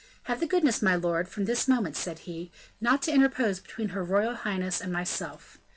"Have the goodness, my lord, from this moment," said he, "not to interpose between her royal highness and myself.